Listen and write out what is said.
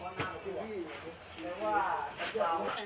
อ่ะใช่ใช่